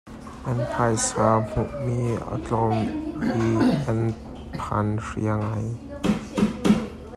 An phaisa hmuhmi a tlawm i an phanhria ngai.